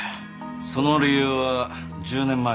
その理由は１０年前にある。